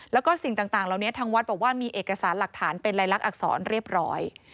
แล้วก็สิ่งต่างเหล่านี้ทางวัดบอกว่ามีเอกสารหลักฐานเป็นลายลักษรเรียบร้อย